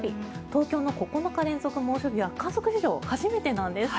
東京の９日連続猛暑日は観測史上初めてなんです。